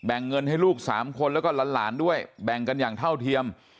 แบ่งเงินให้ลูก๓คนและร้านด้วยแบ่งกันอย่างเท่าเทียม